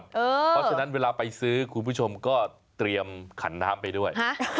เพราะฉะนั้นเวลาไปซื้อคุณผู้ชมก็เตรียมขันน้ำไปด้วย